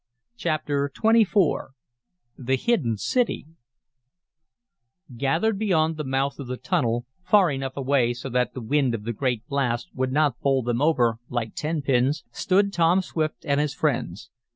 Chapter XXIV The Hidden City Gathered beyond the mouth of the tunnel, far enough away so that the wind of the great blast would not bowl them over like ten pins, stood Tom Swift and his friends.